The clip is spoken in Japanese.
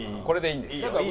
これでいいんですよ。